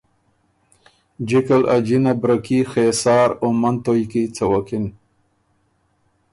جِکه ل ا جِنه برکي خېسار او منتویٛ کی څوکِن